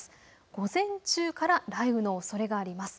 午前中から雷雨のおそれがあります。